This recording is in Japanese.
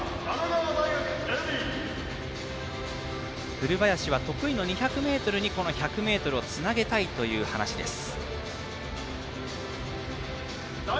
古林は得意の２００ｍにこの１００ｍをつなげたいという話です。